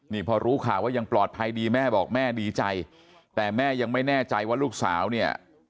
นี่พอรู้ข่าวว่ายังปลอดภัยดีแม่บอกแม่ดีใจแต่แม่ยังไม่แน่ใจว่าลูกสาวเนี่ย